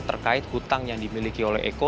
terkait hutang yang dimiliki oleh eko